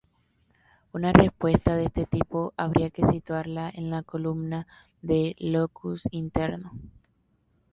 Una respuesta de este tipo habría que situarla en la columna de locus interno.